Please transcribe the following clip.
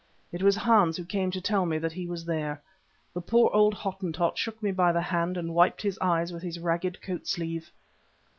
It was Hans who came to tell me that he was there. The poor old Hottentot shook me by the hand and wiped his eyes with his ragged coat sleeve.